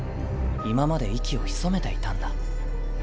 今まで息を潜めていたんだ。